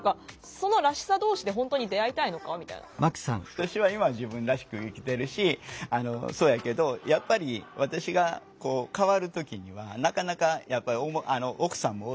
私は今自分らしく生きてるしあのそやけどやっぱり私がこう変わる時にはなかなかやっぱり奥さんもおるし。